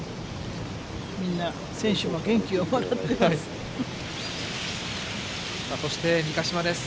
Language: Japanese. みんな、選手も元気をもらってます。